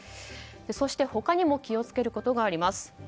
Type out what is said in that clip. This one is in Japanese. そして他にも気を付けることがあります。